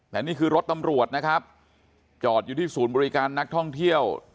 แต่นี่คือรถตำรวจนะครับจอดอยู่ที่ศูนย์บริการนักท่องเที่ยว